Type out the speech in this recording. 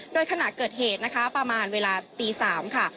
โดยขณะเกิดเหตุนะคะประมาณเวลาตี๓ค่ะ